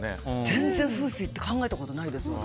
全然、風水って考えたことないです。